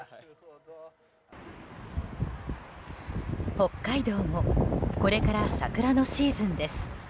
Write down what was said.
北海道もこれから桜のシーズンです。